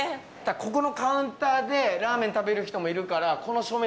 ここのカウンターでラーメン食べる人もいるからこの。